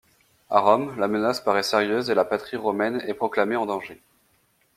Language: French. À Rome, la menace paraît sérieuse et la patrie romaine est proclamée en danger.